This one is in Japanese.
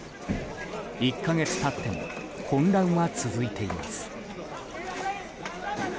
１か月経っても混乱は続いています。